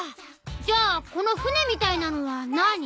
じゃあこの船みたいなのはなあに？